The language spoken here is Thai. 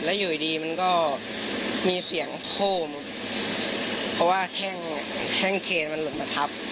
แล้วอยู่ดีมันก็มีเสียงโคมเพราะว่าแท่งแท่งเคนมันหลุดมาทับ